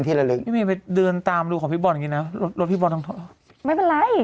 น่ารักที่สุดเลย